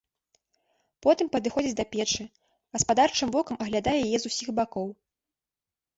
Потым падыходзіць да печы, гаспадарчым вокам аглядае яе з усіх бакоў.